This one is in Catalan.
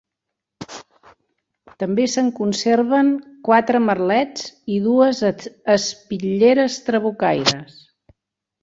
També se'n conserven quatre merlets i dues espitlleres trabucaires.